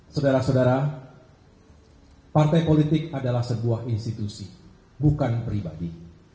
saudara saudara partai politik adalah sebuah institusi bukan pribadi